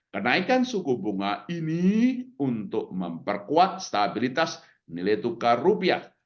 kenaikan suku bunga ini untuk memperkuat stabilitas nilai tukar rupiah